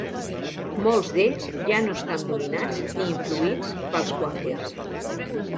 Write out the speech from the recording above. Molts d'ells ja no estan dominats ni influïts pels quàquers.